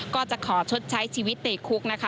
ก็จะขอชดใช้ชีวิตติดคุกนะคะ